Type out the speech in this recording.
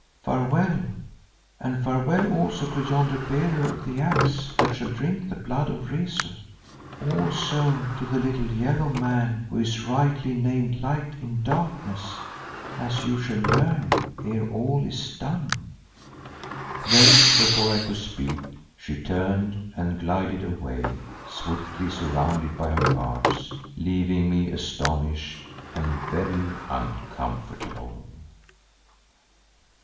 Farewell, and farewell also to yonder Bearer of the Axe that shall drink the blood of Rezu, also to the little yellow man who is rightly named Light in Darkness, as you shall learn ere all is done." Then before I could speak she turned and glided away, swiftly surrounded by her guards, leaving me astonished and very uncomfortable.